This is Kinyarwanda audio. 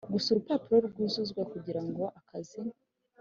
Gusaba urupapuro rwuzuzwa kugira ngo akazi